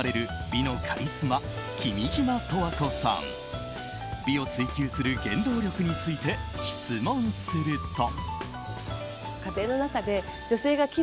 美を追求する原動力について質問すると。